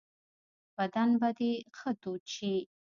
بدن به دي ښه تود شي .